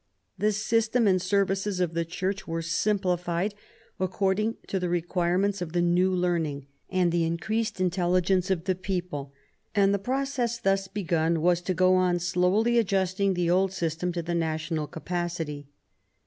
The system and services of the Church were simplified according to the requirements of the New Learning and the increased intelligence of the people ; and the 48 QUEEN ELIZABETH. process thus begun was to go on slowly adjusting the old system to the national capacity.